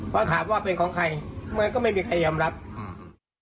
เพราะถามว่าเป็นของใครมันก็ไม่มีใครยอมรับอืม